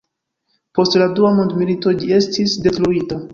Post la dua mondmilito ĝi estis detruita.